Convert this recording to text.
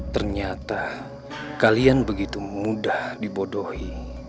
ternyata kalian begitu mudah dibodohi